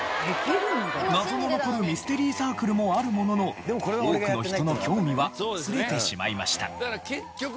謎の残るミステリーサークルもあるものの多くの人の興味は薄れてしまいました。